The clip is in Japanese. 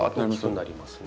なりますね。